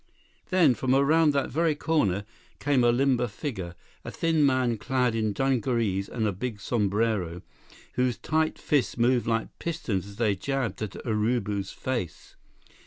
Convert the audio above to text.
Then, from around that very corner came a limber figure, a thin man clad in dungarees and a big sombrero, whose tight fists moved like pistons as they jabbed at Urubu's face.